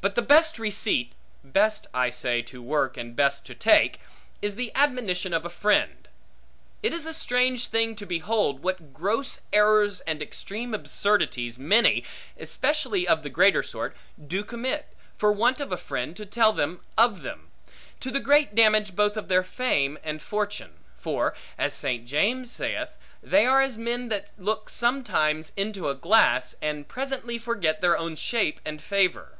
But the best receipt (best, I say, to work, and best to take) is the admonition of a friend. It is a strange thing to behold, what gross errors and extreme absurdities many (especially of the greater sort) do commit, for want of a friend to tell them of them; to the great damage both of their fame and fortune: for, as St. James saith, they are as men that look sometimes into a glass, and presently forget their own shape and favor.